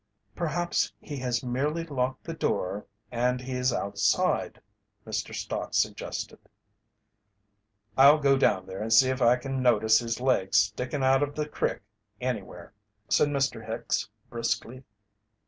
"Perhaps he has merely locked the door and he is outside," Mr. Stott suggested. "I'll go down and see if I can notice his legs stickin' out of the crick anywhere," said Mr. Hicks, briskly.